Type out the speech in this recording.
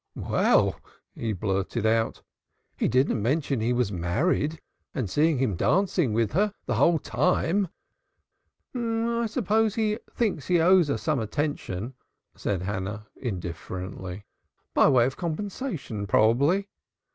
"Well," he blurted out. "He didn't mention he was married, and seeing him dancing with her the whole time " "I suppose he thinks he owes her some attention," said Hannah indifferently. "By way of compensation probably.